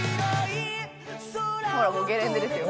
ほらもうゲレンデですよ。